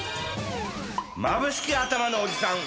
まぶしきあたまのおじさん！